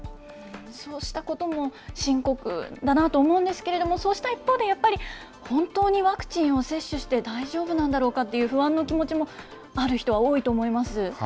そうしたことも深刻だなと思うんですけれども、そうした一方で、やっぱり、本当にワクチンを接種して大丈夫なんだろうかという不安の気持ちもある人は多いと思います。